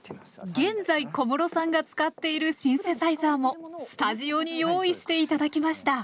現在小室さんが使っているシンセサイザーもスタジオに用意して頂きました